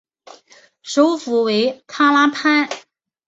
首府为卡拉潘。